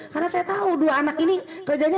karena saya tahu dua anak ini kerjanya